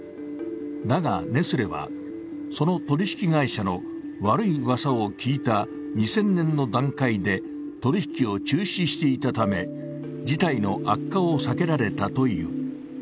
だが、ネスレはその取引会社の悪いうわさを聞いた２０００年の段階で取引を中止していたため、事態の悪化を避けられたという。